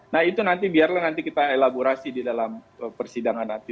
nah itu nanti biarlah nanti kita elaborasi di dalam persidangan nanti